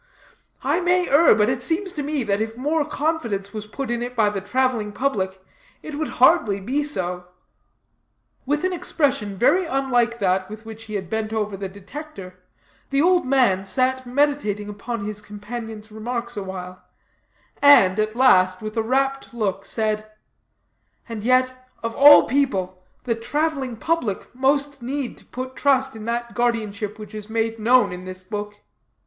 I may err, but it seems to me that if more confidence was put in it by the traveling public, it would hardly be so." With an expression very unlike that with which he had bent over the Detector, the old man sat meditating upon his companions remarks a while; and, at last, with a rapt look, said: "And yet, of all people, the traveling public most need to put trust in that guardianship which is made known in this book."